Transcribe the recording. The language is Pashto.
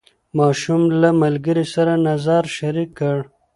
ماشوم له ملګرو سره نظر شریک کړ